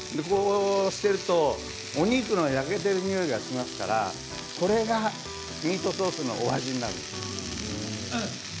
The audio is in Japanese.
こうしているとお肉が焼けているにおいがしますからこれがミートソースのお味になるんです。